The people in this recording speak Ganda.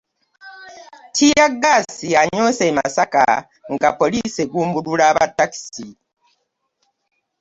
Ttiyaggaasi anyoose e Masaka nga poliisi egumbulula aba ttakisi.